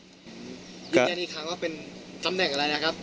อีกทางอีกทางว่าเป็นตำแหน่งอะไรนะครับ